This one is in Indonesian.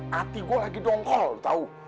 hati gue lagi dongkol tau